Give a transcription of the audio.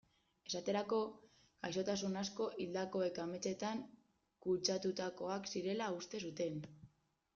Esaterako, gaixotasun asko hildakoek ametsetan kutsatutakoak zirela uste zuten.